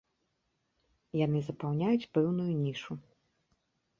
Яны запаўняюць пэўную нішу.